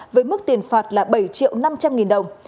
với mức tiền phạt là bảy triệu năm trăm linh nghìn đồng